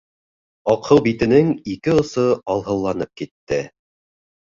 Аҡһыу битенең ике осо алһыуланып китте.